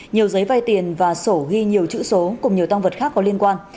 nhiều giấy vay tiền và sổ ghi nhiều chữ số cùng nhiều tăng vật khác có liên quan